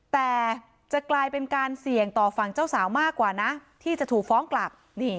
แต่จะกลายเป็นการเสี่ยงต่อฝั่งเจ้าสาวมากกว่านะที่จะถูกฟ้องกลับ